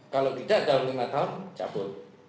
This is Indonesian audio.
kalau tidak dalam lima tahun cabur